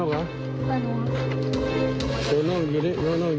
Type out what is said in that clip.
สวัสดีครับทุกคน